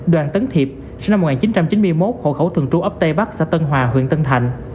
đoàn tấn thiệp sinh năm một nghìn chín trăm chín mươi một hộ khẩu thường trú ấp tây bắc xã tân hòa huyện tân thạnh